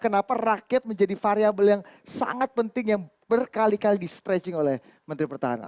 kenapa rakyat menjadi variable yang sangat penting yang berkali kali di stretching oleh menteri pertahanan